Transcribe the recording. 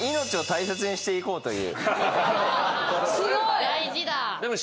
すごい！